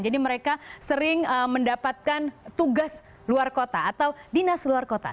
jadi mereka sering mendapatkan tugas luar kota atau dinas luar kota